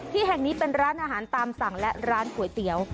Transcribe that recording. ที่แห่งนี้เป็นร้านอาหารตามสั่งและร้านก๋วยเตี๋ยว